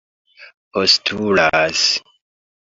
postulas